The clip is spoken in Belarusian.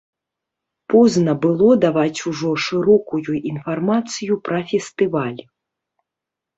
Позна было даваць ужо шырокую інфармацыю пра фестываль.